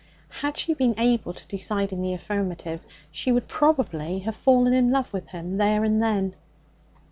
Had she been able to decide in the affirmative, she would probably have fallen in love with him there and then.